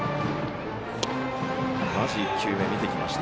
まず１球目見てきました。